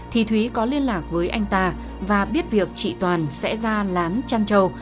thì thúy có liên lạc với anh ta và biết việc chị toàn sẽ ra lán trăn châu